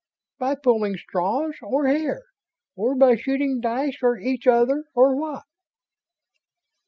"By pulling straws or hair? Or by shooting dice or each other or what?"